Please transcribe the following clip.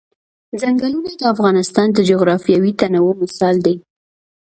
ځنګلونه د افغانستان د جغرافیوي تنوع مثال دی.